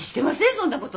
そんなこと。